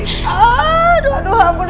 aduh aduh ampun